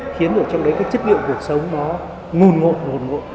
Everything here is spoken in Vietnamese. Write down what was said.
khiến được trong đấy các chất liệu cuộc sống nó ngồn ngộn ngồn ngộn